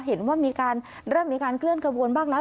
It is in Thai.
เห็นว่าเริ่มมีการเคลื่อนกระบวนบ้างแล้ว